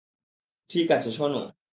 ঠিক আছে, শোন।